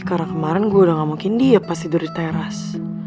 karena kemarin gue udah gak mungkin diep pas tidur di teras